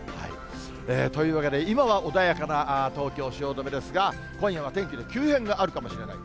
というわけで、今は穏やかな東京・汐留ですが、今夜は天気の急変があるかもしれない。